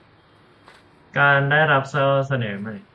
การได้รับข้อเสนอใหม่